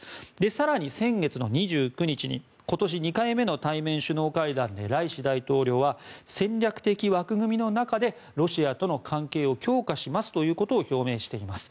更に、先月２９日に今年２回目の対面首脳会談でライシ大統領は戦略的枠組みの中でロシアとの関係を強化しますということを表明しています。